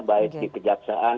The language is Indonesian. baik di kejaksaan